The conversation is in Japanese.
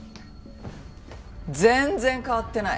全然変わってない。